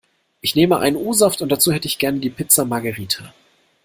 Ich nehme ein O-Saft und dazu hätte ich gerne die Pizza Margarita.